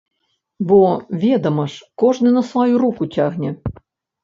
Бо, ведама ж, кожны на сваю руку цягне!